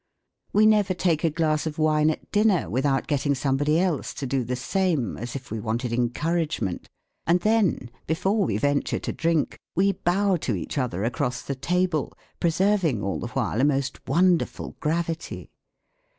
We never take a glass of wiiie at dinner without getting somebody else to do the same, as if we wanted encouragement ; and then, before we venture to drink, we bow to each other across the table, preserving all the while a most wonderful gravity.